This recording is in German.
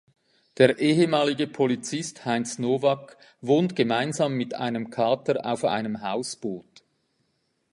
Der ehemalige Polizist Heinz Novak wohnt gemeinsam mit einem Kater auf einem Hausboot.